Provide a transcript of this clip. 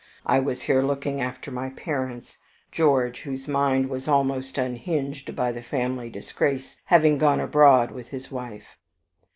I was here looking after my parents George, whose mind was almost unhinged by the family disgrace, having gone abroad with his wife.